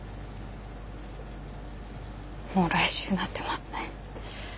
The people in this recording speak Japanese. もう来週になってますね。